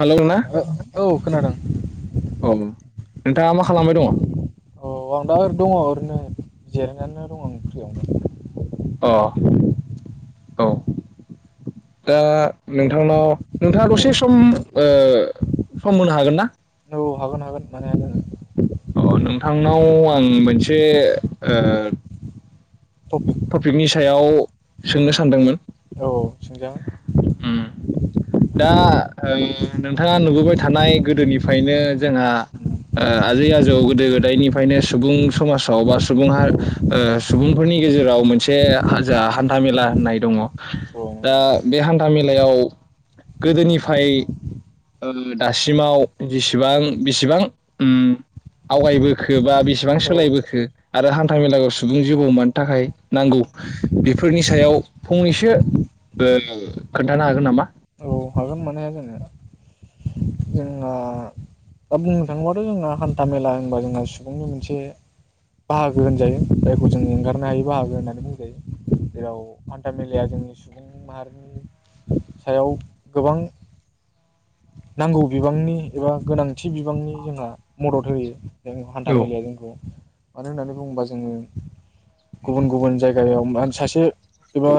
Hello ना औ खोनादों औ नोंथाङा मा खालामबाय दङ? औ आं दा ओरै दङ ओरैनो जिरायनानैनो दं आं फ्रियावनो अ औ दा नोंथांनाव नोंथाङा औ दसे सम ओ सम होनो हागोन ना? औ हागोन हागोन मानो हाया जानो अ नोंथांनाव आं मोनसे ओ टपिक टपिकनि सायाव सोंनो उम सानदोंमोन औ सोंजागोन उम दा ओ नोंथाङा नुबोबाय थानाय गोदोनिफ्रायनो जोंहा आजै आजौ गोदो गोदायनिफ्रायनो सुबुं समाजाव बा सुबुं सुबुंफोरनि गेजेराव मोनसे जा हान्था मेला होननाय दङ औ औ दा नंगौ बे हान्था मेलायाव गोदोनिफ्राय दासिमाव जेसेबां बेसेबां ओं आवगायबोखो बा बे बेसिबां औ सोलायबोखो आरो हान्था मेलायाव सुबुं जिउ आव‌ मानो थाखाय नांगौ बेफोरनि सायाव फंनैसो खोन्थानो हागोन नामा? औ हागोन मानो हाया जोनो जोंना दा बुंनो थाङोबाथ जोंना हान्था मेला होनबा जोंहा सुबुंनि मोनसे बाहागो होनजायो जायखौ जों एंगारनो हायो बाहागो होननानै बुंजायो जेराव हान्था मेलाया जोंनि सुबुं माहारिनि सायाव गोबां नांगौ बिबांनि एबा गोनांथि बिबांनि जोंहा मदद होयो हान्था औ मेलाया जोंखौ मानो होननानै बुङोबा जोङो गुबुन गुबुन जाय जायाव सासे एबा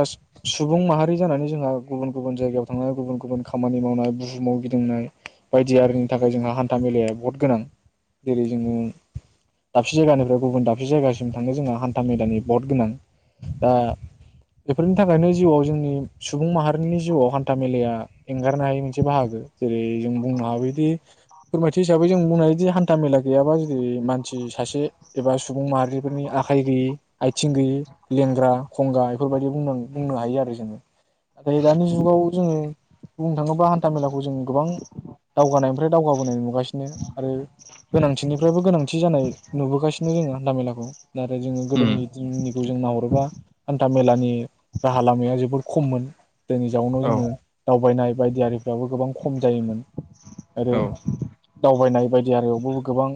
सुबुं माहारि जानानै जोंहा गुबुन गुबुन जायगायाव थांनाय गुबुन गुबुन खामानि मावनाय बुहमाव गिदिंनाय बायदि आरिनि थाखाय जोंहा हान्था मेलाया बहुत गोनां जेरै जोङो दाबसे जायगानिफ्राय गुबुन दाबसे जायगासिम थांनो जोंहा हान्था मेलानि बहुत गोनां दा बेफोरनि थाखायनो जिउआव जोंनि सुबुं माहारिनि जिउआव हान्था मेलाया एंगारनो हायै मोनसे बाहागो। जेरै जों बुंनो हायोदि फोरमायथि हिसाबै जों बुंनो हायोदि हान्था मेला गैयाबा जुदि मानसि सासे एबा सुबुं माहारिफोरनि आखाइ गैयि आथिं गैयि लेंग्रा खंगा बेफोरबायदि बुंनां-बुंनो हायो आरो जोङो नाथाय दानि जुगाव जोङो बुंनो थाङोबा हान्था मेलाखौ जों गोबां दावगानायनिफ्राय दावगाबोनाय नुगासिनो आरो गोनांथिनिफ्रायबो गोनांथि जानाय नुबोगासिनो जोङो हान्थामेलाखौ। नाथाय जोङो उम गोदोनि दिननि खौ जों नाहरोबा हान्था मेलानि राहा लामाया जोबोद खममोन। जायनि जाउनाव औ जोङो दावबायनाय बायदियारिफ्राबो गोबां ख खम जायोमोन आरो औ दावबायनाय बायदि आरियावबो गोबां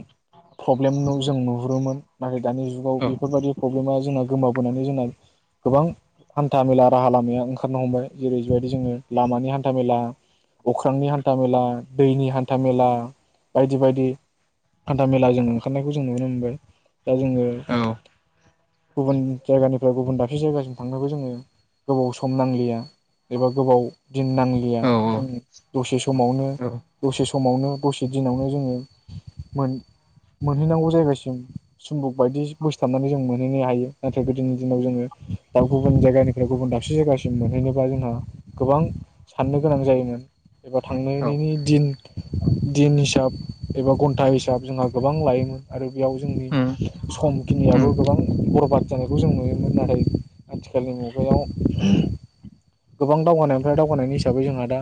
प्रब्लेम जों नुहुरोमोन। नाथाय दानि जुगाव औ बेफोरबायदि प्रब्लेमा जोंना गोमाबोनानै जोंना गोबां हान्था मेला राहा लामाया ओंखारनो हमबाय। जेरै बेबायदि जोङो लामानि हान्था मेला अख्रांनि हान्था मेला, दैनि हान्था मेला बायदि बायदि हान्था मेला जों ओंखारनायखौ जों नुनो मोनबाय। दा जोङो गुबुन जायगानिफ्राय गुबुन दाबसे जायगासिम थांनोबो जोङो गोबाव सम नांलिया एबा गोबाव दिन नांलिया औ जों दसे समावनो औ दसे समावनो दसे दिनावनो जोङो मोन-मोनहैनांगौ जायगासिम सुम्बुक बायदि बोसथाबनानै जों मोनहैनो हायो। नाथाय गोदोनि दिनाव जोङो दा गुबुन जायगानिफ्राय गुबुन दाबसे जायगासिम मोनहैनोबा जोंहा गोबां साननो गोनां जायोमोन। एबा औ थांनायनि दिन दिन हिसाब एबा घन्टा हिसाब जोंहा गोबां लायोमोन आरो बेयाव जोंनि उम उम समखिनियाबो गोबां बरबाद जानायखौ जों नुयोमोन। नाथाय आथिखालनि मुगायाव गोबां दावगानायनिफ्राय दावगानायनि हिसाबै जोंहा दा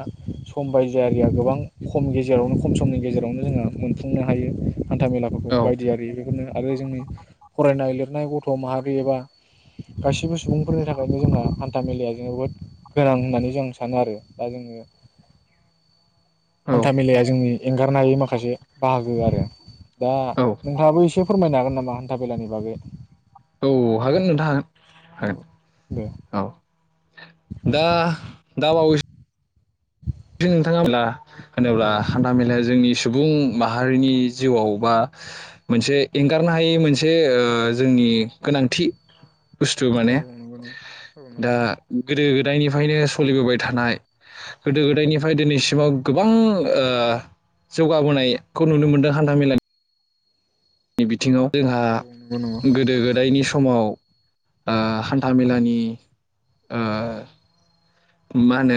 सम बायजो आरिया गोबां खम गेजेरावनो खम समनि गेजेरावनो जोंहा मोनफुंनो हायो। हान्था मेलाफोरखौ औ बायदि आरि बेफोरनो आरो जोंनि फरायनाय लिरनाय गथ' माहारि एबा गासिबो सुबुंफोरनि थाखायनो जोंहा हान्था मेलाया जोबोद गोनां होननानै जों सानो आरो दा जोङो औ हान्था मेलाया जोंनि एंगारनो हायै माखासे बाहागो आरो दा नोंथाङाबो एसे फोरमायनो हागोन नामा हान्था मेलानि बागै? औ हागोन नोंथां हागोन औ दे हागोन औ। दा दा बावस दि नोंथाङा ब्ला। औ होनोब्ला हान्था मेलाया जोंनि सु सुबुं माहारिनि जिउआव बा मोनसे एंगारनो हायै मोनसे ओ जोंनि गोनांथि। बुस्थु औ माने नंगौ नंगौ औ दा नंगौ गोदो गोदायनिफ्रायनो सलिबोबाय थानाय गोदो गोदायनिफ्राय दिनैसिमाव गोबां ओ जौगाबोनायखौ नुनो मोनदों हान्थामेलानि नि बिथिङाव। जोंहा औ नंगौ नंगौ गोदो गोदायनि समाव ओ हान्था मेलानि ओ मा होनो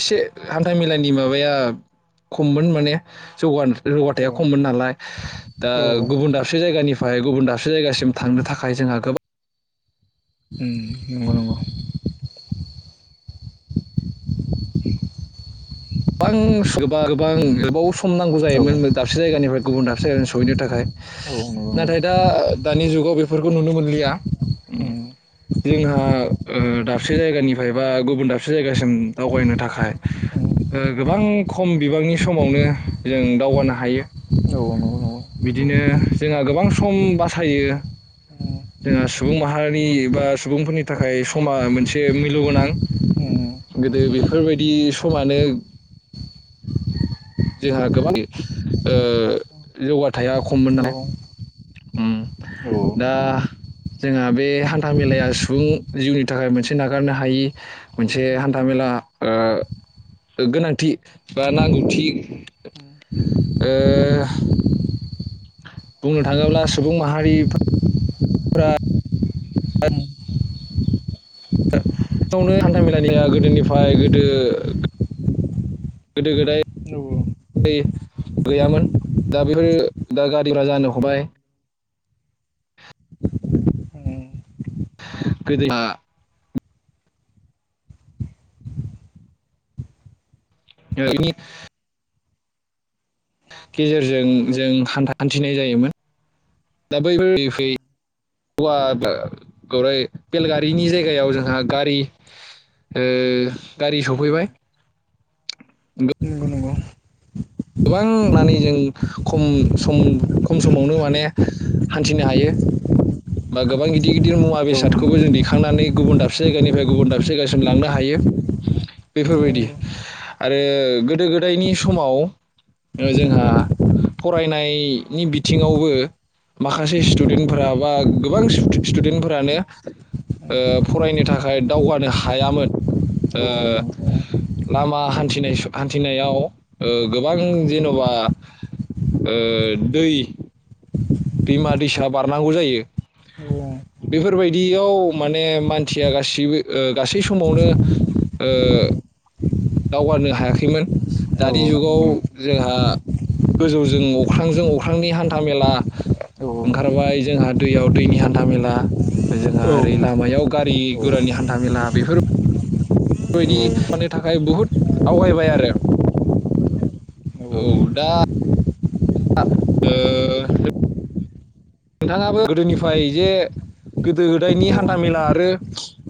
एसे हान्था मेलानि माबाया खममोन माने जौगान औ जौगाथाया खममोन नालाय दा औ गुबुन दाबसे जायगानिफ ओमफाय गुबुन दाबसे जायगासिम थांनो थाखाय जोंहा गोबां उम नंगौ नंगौ। गोबां गोबा गोबां गोबाव सम सम नांगौ नंगौ औ जामोन दाबसे जायगानिफ्राय गुबुन दाबसे ट्रेन सहैनो थाखाय औ नंगौ उम नाथाय दा-दानि जुग गाव बेफोरखौ नुनो मोनलिया ओम उम जोंहा ओ दाबसे जायगानिफ्राय बा गुबुन दाबसे जायगासि सिम दावगायनो थाखाय ओ गोबां खम बिबांनि समावनो जों दावगानो हायो औ नंगौ उम उम बिदिनो जोंहा गोबां स सम बासायो। जोंङो सुबुं माहारिनि बा सुबुंफोरनि थाखाय समा मोनसे मैलु गोनां। गोदो बेफोरबायदि समानो जोंहा गोबां ओ जौगा औ उम औ उम नंगौ औ नंगौ औ नंगौ औ [unintelligible] ओम दा जोंहा बे हान्था मेलाया सुबुं जिउनि थाखाय मोनसे नागारनो हायि मोनसे हान्था मेला ओ गोनांथि बा नांगौथि ओ बुंनो थाङोब्ला सुबुं माहारि [unintelligible] [unintelligible] हान्थामेलानिया गोदोनिफ्राय गोदो गोदो गोदाय गैयामोन दा बेफोरो दा गारिफ्रा जानो हमबाय औ गोदो [unintelligible] गेजेरजों जों हान्थिनाय जायोमोन दा बेफोर फैयै फैयै हौवा गराय बेलगारिनि जायगायाव जोंहा गारि ओ गारि सफैबाय गोबां [unintelligible] जों खम सम खम समावनो माने हान्थिनो हायो बा गोबां गिदिर गिदिर मुवा बेसादखौबो जों दैखांनानै गुबुन दाबसे जायगानिफ्राय गुबुन दाबसे जायगासिम लांनो हायो बेफोरबायदि आरो गोदो गोदायनि समाव जोंहा फरायनायनि बिथिङावबो माखासे स्टुडेन्टफोरा बा गोबां स्टुदेन्टफोरानो ओ फरायनो थाखाय दावगानो हायामोन ओ लामा हान्थिनायाव ओ गो गोबां जेनबा ओ दै दैमा दैसा बारनांगौ जायो बेफोरबायदियाव माने मानसिया गासैबो ओ गासै समावनो ओ दावगानो हायाखैमोन दानि जुगाव जोंहा गोजौजों अख्रांजों अख्रांनि हान्था मेला ओंखारबाय जोंहा दैयाव दैनि हान्था मेला जोंहा ओरै लामायाव गारि गुरानि हान्था मेला बेफोर बेफोरबायदि फाननो थाखाय बुहुद आवगायबाय आरो औ दा [unintelligible] ओ नोंथाङाबो गोदोनिफ्राय जे गोदो गोदायनि हान्थामेला आरो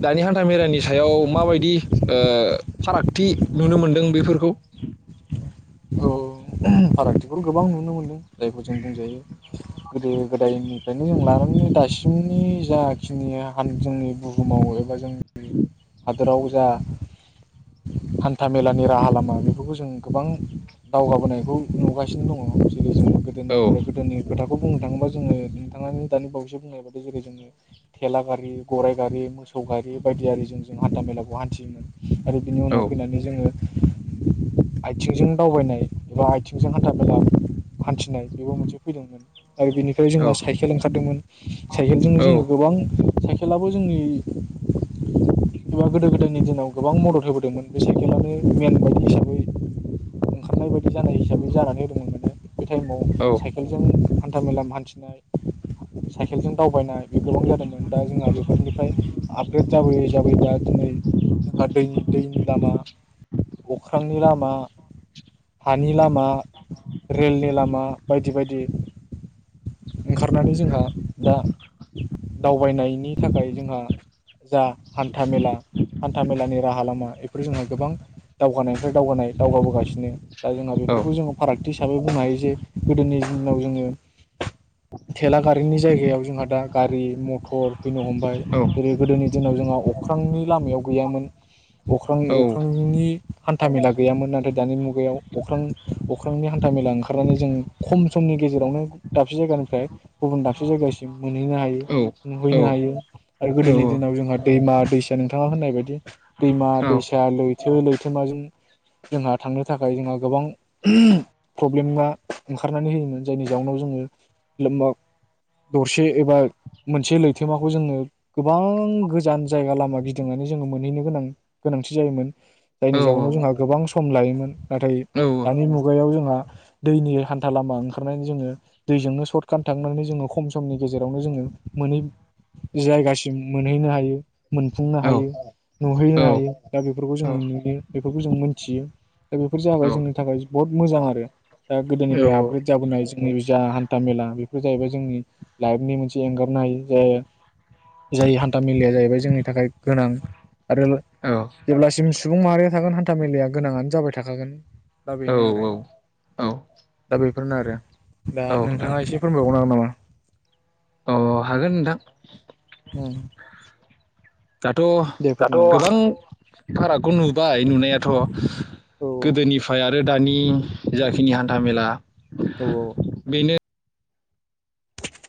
दानि हान्था मेलानि सायाव माबायदि ओ फारागथि नुनो मोनदों बेफोरखौ फारागथिफोर गोबां नुनो मोन्दों जायखौ जों बुंजायो गोदो गोदायनिफ्रायनो जों लानानै दासिम जाखिनि हा जोंनि बुहुमाव एबा [inaudible] बोथोराव जा हान्था मेलानि राहा लामा बेफोरखौ जों गोबां दावगाबोनायखौ नुगासिनो दङ जेरै जों औ गोदोनिफ्राय गोदोनि खोथा बेखौ बुंनो थाङोबा जोङो नोंथांङा दानि बावैसो बुंनाय बादो जेरै जोङो थेला गारि गराइ गारि मोसौ गारि बायदि आरिजों जों हान्था मेलाखौ हान्थियोमोन आरो बिनि औ उनाव फैनानै जोङो आथिंजों दावबायनाय एबा आथिं बेजों हान्था मेला हान्थिनाय बेबो मोनसे फैदोंमोन आरो बेनिफ्राय औ जोंहा साइकेल ओंखारदोंमोन साइकेलजोंनो औ जोङो गोबां खेलाबो जोंनि एबा गोदो गोदायनि दिनाव गोबां मदद होबोदोंमोन बे साइकेलानो मेन बायदि हिसाबै ओंखारनाय बायदि जानाय हिसाबै बि जानानै होदोंमोन माने बे टाइमाव औ साइकेलजों हान्था मेला हान्थिनाय साइकेलजों दावबायनाय बे गोबां जादोंमोन दा जोंहा बेफोरनिफ्राय आपग्रेड जाबोयै जाबाय दा दिनै जोंहा दै दैनि लामा अख्रांनि लामा हानि लामा रेलनि लामा बायदि बायदि ओंखारनानै जोंहा दा दावबायनायनि थाखाय जोंहा जा हान्था मेला हान्था मेलानि राहा लामा बेफोर जोंहा गोबां दावगानाय दावगानाय दावगाबोगासिनो दा जोंहा औ बेफोरखौ जों थि हिसाबै बुंनो हायो जे गोदोनि दिनाव जोङो थेला गारिनि जायगायाव जोंहा दा गारि म टर फैनो हमबाय औ जेरै गोदोनि दिनाव जोंहा अख्रांनि लामायाव गैयामोन औ अख्रांनि-अख्रांनि हान्था मेला गैयामोन नाथाय दानि मुगायाव अ हानथा मेला ओंखारनानै खम‌ समनि गेजेरावनो दाबसे जायगानिफ्राय गुबुन दाबसे जायगासिम मोनहैनो हायो नुहैनो औ हायो आरो औ गोदोनि दिनाव जोंहा दैमा दैसा नोंथाङा होननाय बेबायदि दैमा दैसा लैथो लै थोमाजों जोंहा थांनो थाखाय जोंहा गोबां प्रब्लेमा ओंखारनानै होयोमोन जायनि जाउनाव जोङो लोमबा दरसे एबा मोनसे लैथोमाखौ जोङो गोबां गोजान जायगा लामा गिदिंनानै जोङो मोनहैनो गोनां गोनांथि जायोमोन। औ जायनि औ जाउनाव जोंहा गोबां सम लायोमोन नाथाय दानि मुगायाव जोंहा दैनि हान्था लामा ओंखारनानै जोङो दैजोंनो सर्ट काट थांनानै जोङो खम समनि गेजेरावनो जोङो मोनै जायगासिम मोनहैनो हायो। मोनफुंनो हायो नुहैनो हायो दा बेफोरखौ जोङो नुयो बेफोरखौ जों मोनथियो दा बेफोर जाबाय जोङो बहुत मोजां आरो दा गोदोनिफ्राय आपग्रेद जाबोनाय जोंनि जा हान्थामेला बेफोर जाहैबाय जोंनि लाइफनि मोनसे एंगारनो हायि जाय जाय हान्था मेलाया जाहैबाय जोंनि थाखाय गोनां आरो जेब्लासिम सुबुं माहारिया थागोन हान्था मेलाया गोनाङानो जाबाय थाखागोन दा बेनो आरो दा बे बेफोरनो आरो दा नोंथां नोंथाङा एसे फोरमायबावनो हागोन नामा? अ हागोन नोंथां नामा उम दाथ दे फोरमायनानै गोबां फारागखौ नुबाय नुनाय [unintelligible] थ औ गोदोनिफ्राय आ रो दानि जाखिनि हान्था मेला औ औ बेनो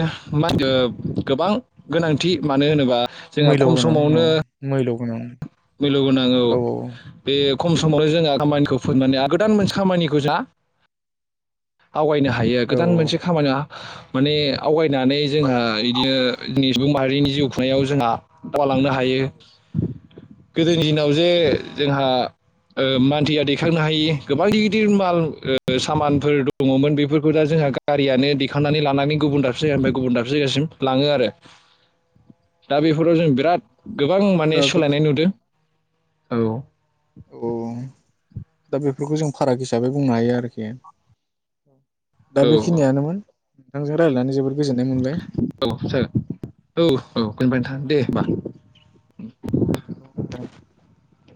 [unintelligible] गोबां गोनांथि मानो होनोबा जोंहा मैल' गोनां औ मैल' उम मैल' गोनां औ बे खम समावनो जोङो खामानिखौ फोननानै गोदान मोनसे खामानिखौ जा आवगायनो हायो गोदान मोनसे खामानिया माने आवगाय फैनानै जोंहा इदिनो जोंनि सुबुं माहारिनि जिउ खुंनायाव जोंहा [unintelligible] लांनो हायो [unintelligible] इन्जिनाव जे औ जोंहा ओ मानथिया दैखांनो हायि गोबां गिदिर गिदिर माल ओ सामानफोर दङमोन बेफोरखौ दा जोंहा गारियानो दैखांनानै लानानै गुबुन दाबसे जायगानिफ्राय गुबुन दाबसे जायगासिम लाङो आरो। दा बेफोराव जों बिराद गोबां माने दा बे सोलायनाय नुदों औ औ दा बेफोरखौ जों फाराग हिसाबै बुंनो हायो आरोखि दा औ बेखिनियानोमोन। नोंथांजों रायलायनानै जोबोर औ [unintelligible] औ औ दोनबाय नोंथां दे होमबा। [unintelligible]